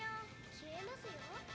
「『消えますよ』」